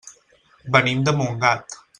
Venim de Montgat.